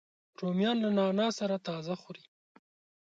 رومیان له نعناع سره تازه خوري